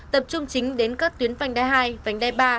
tập trung chính đến các tuyến vành đai hai vành đai ba